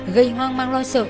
gây hoang mang lo sợ